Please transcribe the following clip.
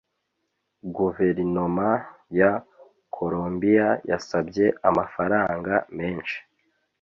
guverinoma ya kolombiya yasabye amafaranga menshi